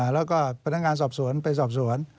แล้วก็พนักงานสอบสวนไปสอบสวน